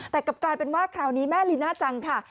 แต่กลับกลายเป็นว่าคราวนี้แม่ลีน่าจังค่ะ